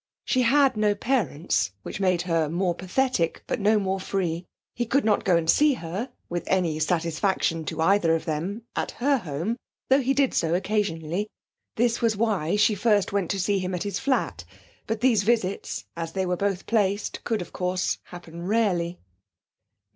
She had no parents, which made her more pathetic, but no more free. He could not go and see her, with any satisfaction to either of them, at her home, though he did so occasionally. This was why she first went to see him at his flat. But these visits, as they were both placed, could, of course, happen rarely.